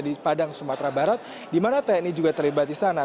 di padang sumatera barat di mana tni juga terlibat di sana